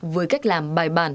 với cách làm bài bản